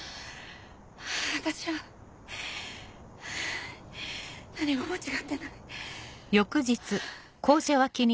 私は何も間違ってない。